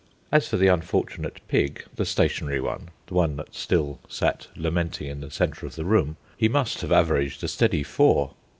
As for the unfortunate pig the stationary one, the one that still sat lamenting in the centre of the room he must have averaged a steady four.